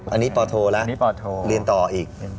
อันนี้เปอร์ทีแล้วเรียนต่ออีก